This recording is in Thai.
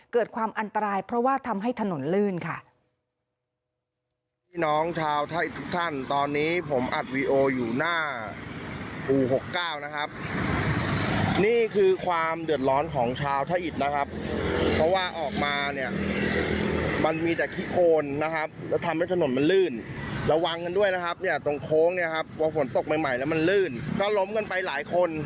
เกิดความอันตรายเพราะว่าทำให้ถนนลื่นค่ะ